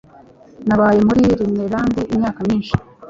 Nabaye muri Rhineland imyaka myinshi.